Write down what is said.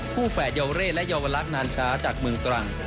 แฝดเยาวเร่และเยาวลักษณ์นานช้าจากเมืองตรัง